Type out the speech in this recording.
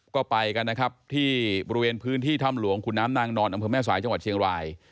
ก็ไปกันนะครับที่บริเวณพื้นที่ถ้ำหลวงขุนน้ำนางนอนอำเภอแม่สายจังหวัดเชียงราย